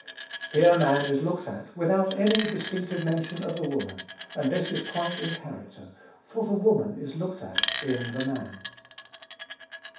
Here man is looked at, without any distinctive mention of the woman; and this is quite in character, for the woman is looked at in the man.